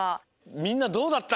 みんなどうだった？